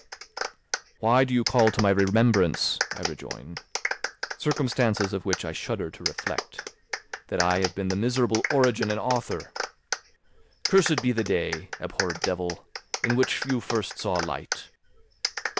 "Why do you call to my remembrance," I rejoined, "circumstances of which I shudder to reflect, that I have been the miserable origin and author? Cursed be the day, abhorred devil, in which you first saw light!